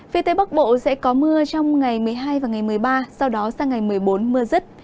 phía tây bắc bộ sẽ có mưa trong ngày một mươi hai và ngày một mươi ba sau đó sang ngày một mươi bốn mưa rứt